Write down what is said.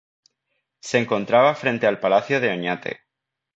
Se encontraba frente al Palacio de Oñate.